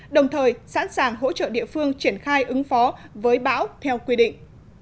đồng thời sẵn sàng hỗ trợ địa phương triển khai ứng phó với bão theo quy định